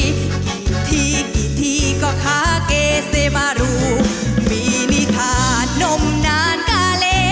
กี่ทีกี่ทีก็คาเกเซบารูมีนี่ขาดนมนานกาเล